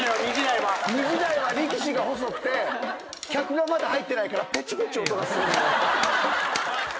２時台は力士が細くて客がまだ入ってないからぺちぺち音がするのよ。